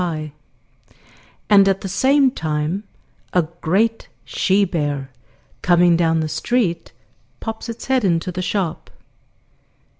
gif)] and at the same time a great she bear, coming down the street, pops its head into the shop.